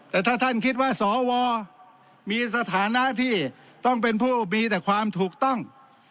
แต่ถ้าท่านคิดว่าสวมีสถานะที่ต้องเป็นผู้มีแต่ความถูกต้อง